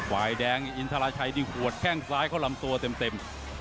ฝ่ายแดงอินทราชัยนี่หัวแข้งซ้ายเข้าลำตัวเต็ม